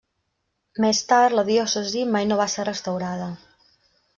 Més tard, la diòcesi mai no va ser restaurada.